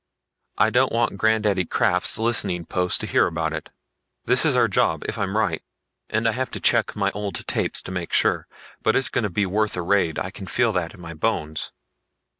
"I don't want Granddaddy Krafft's listening posts to hear about it. This is our job if I'm right. And I have to check my old tapes to make sure. But it's gonna be worth a raid, I can feel that in my bones.